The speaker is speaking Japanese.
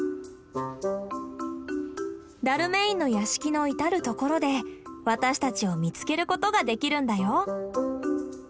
ダルメインの屋敷の至る所で私たちを見つけることができるんだよ。